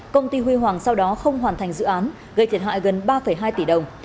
công ty huy hoàng sau đó không hoàn thành dự án gây thiệt hại gần ba hai tỷ đồng